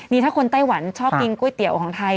นี่ถ้าคนไต้หวันชอบกินก๋วยเตี๋ยวของไทย